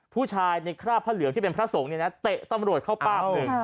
ผู้ชายในคราบพระเหลืองที่เป็นพระสงฆ์เนี่ยนะเตะตำรวจเข้าป้าบหนึ่ง